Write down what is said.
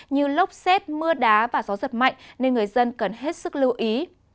như lốc xét mưa đá và gió giật mạnh nên người dân cần hết sức lưu ý